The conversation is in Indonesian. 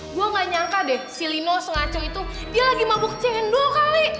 gue gak nyangka deh si lino sengaco itu dia lagi mabuk cendol kali